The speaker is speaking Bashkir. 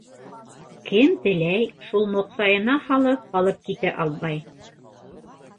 Кем теләй - шул моҡсайына һалып алып китә алмай.